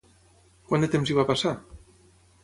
Quant de temps hi va passar?